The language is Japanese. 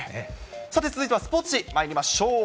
さて続いてはスポーツ紙、まいりましょう。